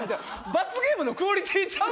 罰ゲームのクオリティーちゃう！